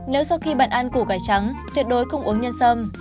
nếu sau khi bạn ăn củ cải trắng tuyệt đối cung uống nhân sâm